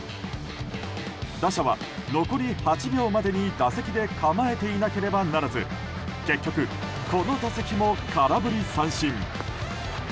打者は残り８秒までに打席で構えていなければならず結局この打席も空振り三振。